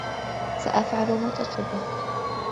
سأفعل ما تطلبه.